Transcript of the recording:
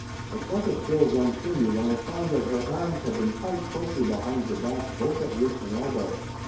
I felt a thrill run through me when I found that her arms had been tied closely behind her back both at wrist and elbow.